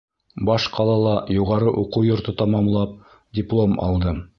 — Баш ҡалала юғары уҡыу йорто тамамлап, диплом алдым.